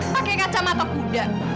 pake kacamata kuda